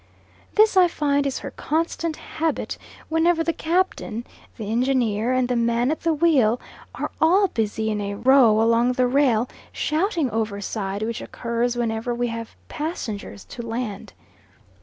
This I find is her constant habit whenever the captain, the engineer, and the man at the wheel are all busy in a row along the rail, shouting overside, which occurs whenever we have passengers to land.